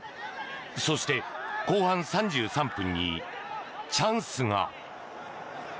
そして、後半３３分にチャンスが。